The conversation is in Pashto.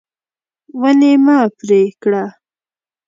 ونې مه پرې کړه.